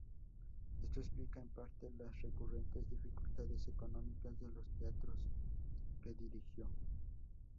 Esto explica en parte las recurrentes dificultades económicas de los teatros que dirigió.